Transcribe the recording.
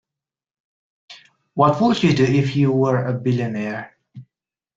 What would you do if you were a billionaire?